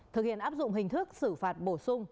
thực hiện áp dụng hình thức xử phạt bổ sung